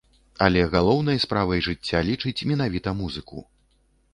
Але галоўнай справай жыцця лічыць менавіта музыку.